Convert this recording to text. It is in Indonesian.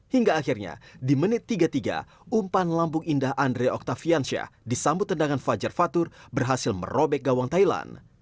hingga akhirnya di menit tiga puluh tiga umpan lambung indah andre octaviansyah disambut tendangan fajar fatur berhasil merobek gawang thailand